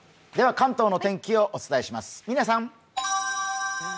関東の天気をお伝えします。